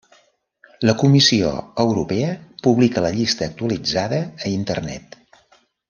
La Comissió Europea publica la llista actualitzada a internet.